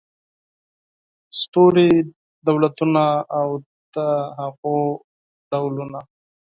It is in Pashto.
ستوري دولتونه او د هغوی ډولونه